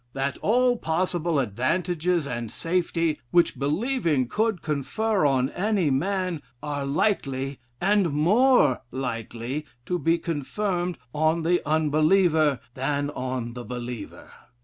That all possible advantages and safety, which believing could confer on any man, are likely, and more likely to be conferred on the unbeliever than on the believer.